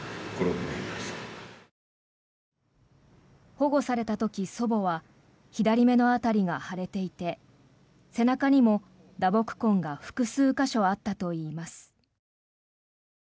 保護された時祖母は左目の辺りが腫れていて背中にも打撲痕が複数箇所あったといいます。